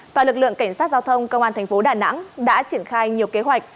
tòa lực lượng cảnh sát giao thông công an tp đà nẵng đã triển khai nhiều kế hoạch